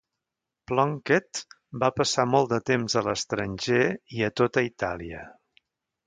Plunkett va passar molt de temps a l'estranger i a tota Itàlia.